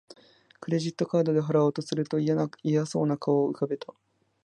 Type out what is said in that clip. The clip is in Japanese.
クレジットカードで払おうとすると嫌そうな顔を浮かべた